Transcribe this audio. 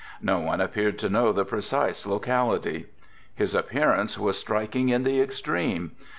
No one appeared to know the precise locality. His appearance was striking in the extreme.